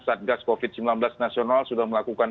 satgas covid sembilan belas nasional sudah melakukan